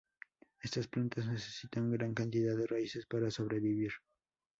Estas plantas necesitan gran cantidad de raíces para sobrevivir.